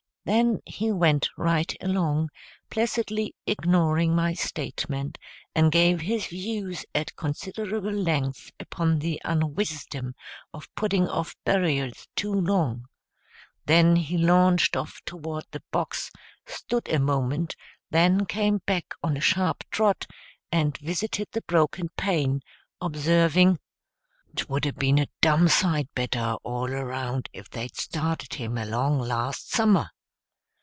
Then he went right along, placidly ignoring my statement, and gave his views at considerable length upon the unwisdom of putting off burials too long. Then he lounged off toward the box, stood a moment, then came back on a sharp trot and visited the broken pane, observing, "'Twould 'a' ben a dum sight better, all around, if they'd started him along last summer."